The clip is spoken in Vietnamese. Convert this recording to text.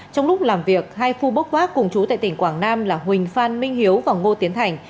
trong lúc làm việc hai phu bốc quác cùng chú tại tỉnh quảng nam là huỳnh phan minh hiếu và ngô tiến thành